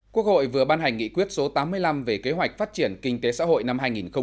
quốc hội vừa ban hành nghị quyết số tám mươi năm về kế hoạch phát triển kinh tế xã hội năm hai nghìn hai mươi